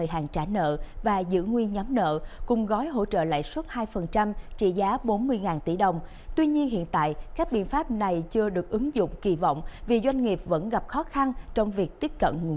hãy đăng ký kênh để ủng hộ kênh của mình nhé